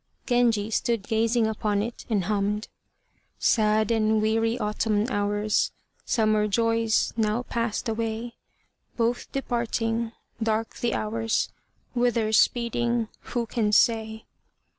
Genji stood gazing upon it and hummed: "Sad and weary Autumn hours, Summer joys now past away, Both departing, dark the hours, Whither speeding, who can say?"